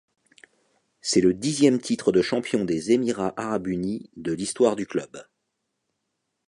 C'est le dixième titre de champion des Émirats arabes unis de l'histoire du club.